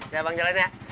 ya bang jalan ya